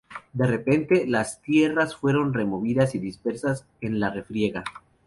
De repente, las tierras fueron removidas y dispersas en la refriega.